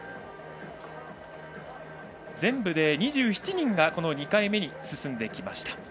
全部で２７人が２回目に進んできました。